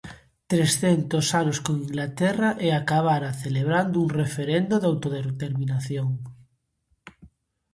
Trescentos anos con Inglaterra, e acabará celebrando un referendo de autodeterminación.